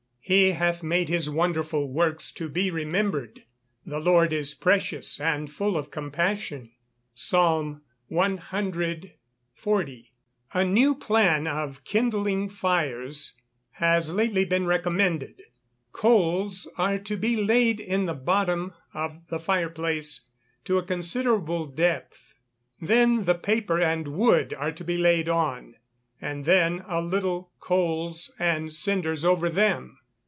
[Verse: "He hath made his wonderful works to be remembered: the Lord is precious and full of compassion." PSALM CXL.] A new plan of kindling fires has lately been recommended. Coals are to be laid in the bottom of the fire place to a considerable depth, then the paper and wood are to be laid on, and then a little coals and cinders over them.